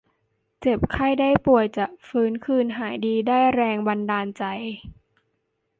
เจ็บไข้ได้ป่วยจะฟื้นคืนหายดี ได้แรงบันดาลใจ